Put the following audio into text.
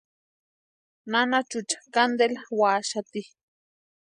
Nana Chucha cantela úaxati.